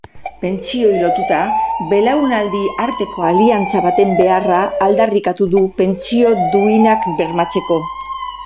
Pentsioei lotuta, belaunaldi arteko aliantza baten beharra aldarrikatu du pentsio duinak bermatzeko.